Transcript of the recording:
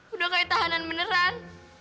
udah kayak tahanan beneran